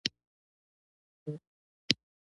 د صدقې ورکول د مال او روح برکت زیاتوي.